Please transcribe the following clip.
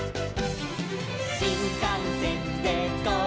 「しんかんせんでゴー！